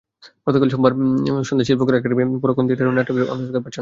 গতকাল সোমবার সন্ধ্যায় শিল্পকলা একাডেমীর পরীক্ষণ থিয়েটার হলে নাটকটি মঞ্চস্থ করে প্রাচ্যনাট।